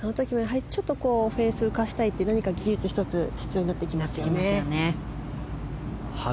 あの時もちょっとフェース浮かせたいという何か技術が１つ必要になってきますよね。